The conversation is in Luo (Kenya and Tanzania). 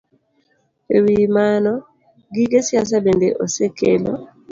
E wi mano, gige siasa bende osekelo